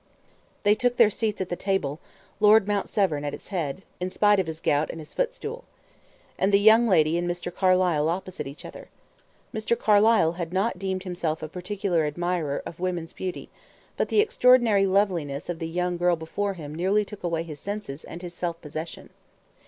They took their seats at the table, Lord Mount Severn at its head, in spite of his gout and his footstool. And the young lady and Mr. Carlyle opposite each other. Mr. Carlyle had not deemed himself a particular admirer of women's beauty, but the extraordinary loveliness of the young girl before him nearly took away his senses and his self possession.